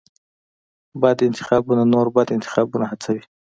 بد انتخابونه نور بد انتخابونه هڅوي.